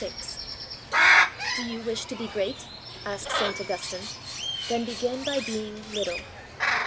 ' Do you wish to be great ?' asks St. Augustine, 'then begin by being little.